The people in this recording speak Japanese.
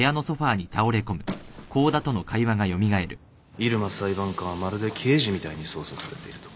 入間裁判官はまるで刑事みたいに捜査されているとか